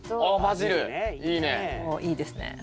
おおいいですね。